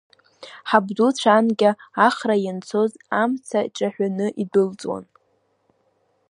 Ҳабдуцәа анкьа ахара ианцоз, амца ҿаҳәаны идәылҵуан!